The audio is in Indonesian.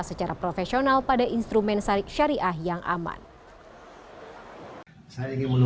secara profesional pada instrumen syariah yang aman